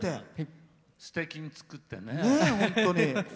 すてきに作ってね。